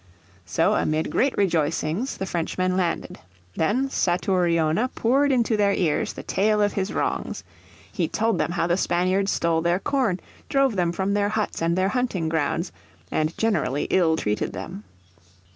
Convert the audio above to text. So amid great rejoicings the Frenchmen landed. Then Satouriona. poured into their ears the tale of his wrongs. He told them how the Spaniards stole their corn, drove them from their huts and their hunting grounds, and generally ill treated them.